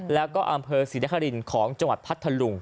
แล้วก็อำเภอศรีนครินของจังหวัดพัทธลุง